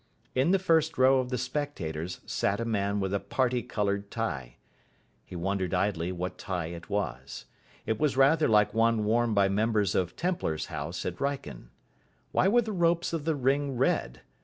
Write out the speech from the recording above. In the front row of the spectators sat a man with a parti coloured tie. He wondered idly what tie it was. It was rather like one worn by members of Templar's house at Wrykyn. Why were the ropes of the ring red?